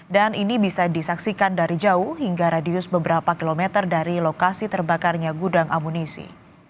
dan ini bisa disaksikan dari jauh hingga radius beberapa kilometer dari lokasi terbakarnya gudang amunisi